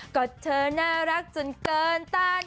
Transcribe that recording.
ก็เธอน่ารักจนเกินตัน